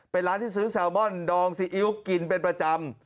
เป็นร้านที่ซื้อแซลมอนดองซีอิ๊วกินเป็นประจำ